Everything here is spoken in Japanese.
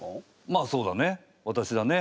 まあそうだね。